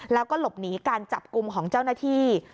แล้วก็หลบหนีการจับกลุ่มของเจ้าหน้าที่